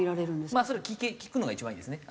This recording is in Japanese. まあそれは聞くのが一番いいですね。